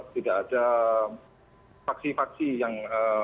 tidak ada faksi faksi yang